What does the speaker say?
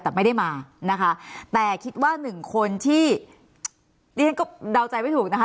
แต่ไม่ได้มานะคะแต่คิดว่าหนึ่งคนที่ดิฉันก็เดาใจไม่ถูกนะคะ